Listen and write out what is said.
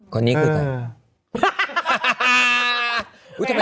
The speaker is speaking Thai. คนนี้คืออะไร